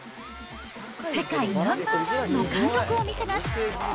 世界ナンバー１の貫禄を見せます。